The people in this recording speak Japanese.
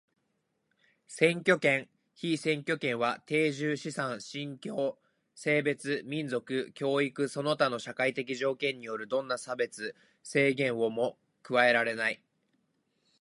選挙権、被選挙権は定住、資産、信教、性別、民族、教育その他の社会的条件によるどんな差別、制限をも加えられない。